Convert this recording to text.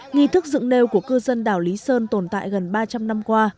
nghi thức dựng nêu của cơ dân đảo lý sơn tổng thống